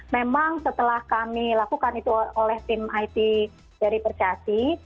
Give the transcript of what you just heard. memang setelah kami lakukan itu oleh tim it dari percasi